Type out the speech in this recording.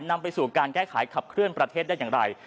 นำไปสู่การแก้ไขขับเคลื่อนประเทศได้อย่างไร